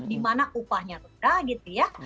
dimana upahnya rendah gitu ya